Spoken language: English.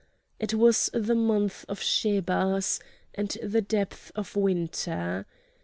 It was the month of Schebaz and the depth of winter.